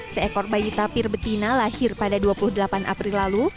seekor bayi tapir betina lahir pada dua puluh delapan april lalu